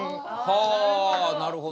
あなるほど。